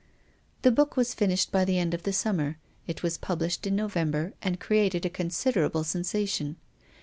The book was finished by the end of the sum mer. It was published in November and created a considerable sensation.